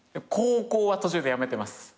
高校は途中で辞めてます。